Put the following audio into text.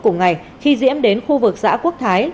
cùng ngày khi diễm đến khu vực xã quốc thái